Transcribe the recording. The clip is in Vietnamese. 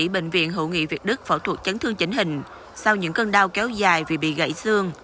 bệnh viện hữu nghị việt đức phẫu thuật chấn thương chỉnh hình sau những cơn đau kéo dài vì bị gãy xương